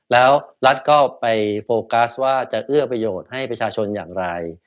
แล้วรัฐก็ไปโฟกัสว่าจะเอื้อประโยชน์ให้ประชาชนอย่างไร